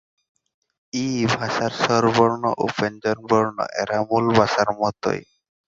ই ভাষার স্বরবর্ণ ও ব্যঞ্জনবর্ণ এর মূল ভাষার মতই।